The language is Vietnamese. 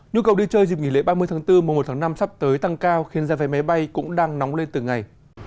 nhu cầu đi chơi dịp nghỉ lễ ba mươi tháng bốn mùa một tháng năm sắp tới tăng cao khiến giá vé máy bay cũng đang nóng lên từng ngày